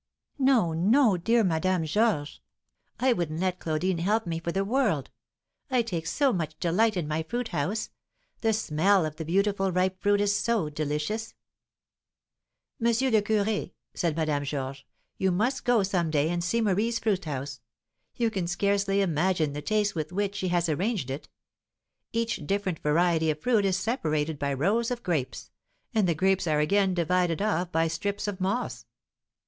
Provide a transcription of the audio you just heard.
"No, no! dear Madame Georges; I wouldn't let Claudine help me for the world. I take so much delight in my fruit house, the smell of the beautiful ripe fruit is so delicious." "M. le Curé," said Madame Georges, "you must go some day and see Marie's fruit house. You can scarcely imagine the taste with which she has arranged it; each different variety of fruit is separated by rows of grapes, and the grapes are again divided off by strips of moss."